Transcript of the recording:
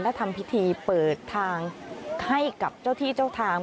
และทำพิธีเปิดทางให้กับเจ้าที่เจ้าทาง